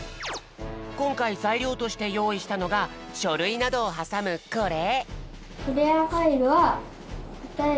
こんかいざいりょうとしてよういしたのがしょるいなどをはさむこれ。